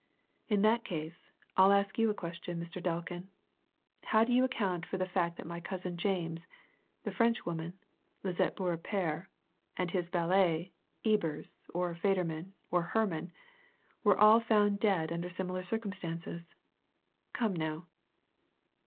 "In that case, I'll ask you a question, Mr. Delkin. How do you account for the fact that my cousin James, the Frenchwoman, Lisette Beaurepaire, and his valet, Ebers, or Federman, or Herman, were all found dead under similar circumstances? Come, now!"